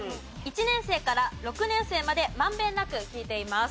１年生から６年生まで満遍なく聞いています。